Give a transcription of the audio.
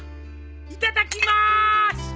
いただきます！